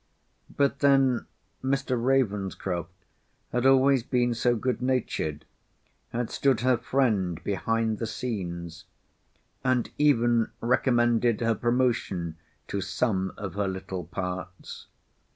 But then Mr. Ravenscroft had always been so good natured, had stood her friend behind the scenes, and even recommended her promotion to some of her little parts.